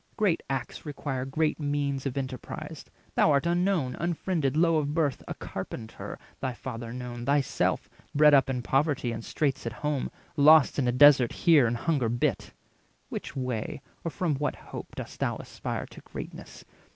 Great acts require great means of enterprise; Thou art unknown, unfriended, low of birth, A carpenter thy father known, thyself Bred up in poverty and straits at home, Lost in a desert here and hunger bit. Which way, or from what hope, dost thou aspire To greatness?